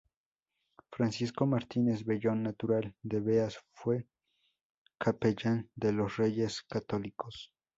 Francisco Martínez Vellón, natural de Beas, fue capellán de los Reyes Católicos.